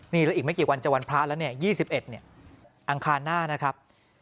นี่แล้วอีกไม่กี่วันจะวันพระแล้วเนี่ย๒๑อังคารหน้านะครับ